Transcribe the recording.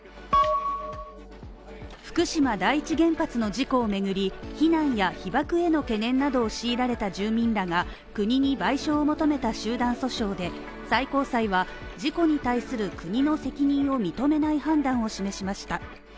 福島第一原発の事故をめぐり、避難や被ばくへの懸念を強いられた住民らが国に賠償を求めた集団訴訟で、最高裁は事故に対する国の責任を認めない判断をしました。